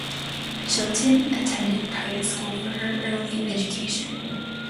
Chilton attended private school for her early education.